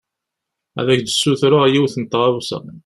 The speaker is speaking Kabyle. Ad ak-d-sutreɣ yiwen n tɣawsa.